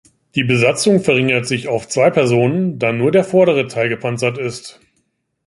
Die Besatzung verringert sich auf zwei Personen, da nur der vordere Teil gepanzert ist.